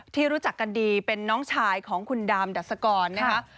ที่รู้จักกันดีเป็นน้องชายของคุณดามดัสกรนะคะ